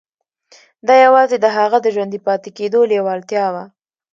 دا یوازې د هغه د ژوندي پاتې کېدو لېوالتیا وه